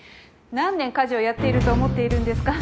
何年家事をやっていると思っているんですか。